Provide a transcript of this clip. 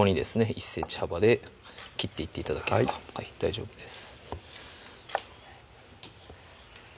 １ｃｍ幅で切っていって頂ければ大丈夫です